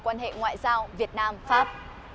quan hệ ngoại giao việt nam pháp